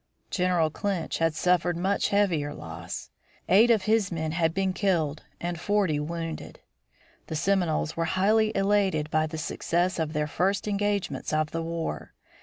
General Clinch had suffered much heavier loss. Eight of his men had been killed and forty wounded. The Seminoles were highly elated by the success of the first engagements of the war.